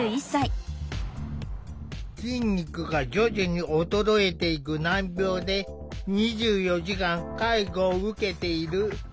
筋肉が徐々に衰えていく難病で２４時間介護を受けている。